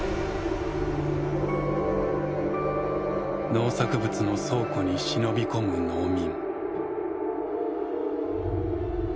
農作物の倉庫に忍び込む農民。